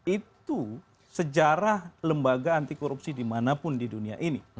itu sejarah lembaga anti korupsi dimanapun di dunia ini